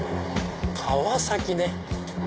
川崎ね！